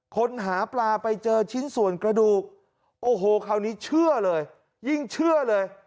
คนหาปลาไปเจอชิ้นส่วนกระดูกโอ้โหคราวนี้เชื่อเลยยิ่งเชื่อเลย